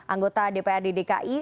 anggota dprd dki